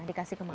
dikasih ke mama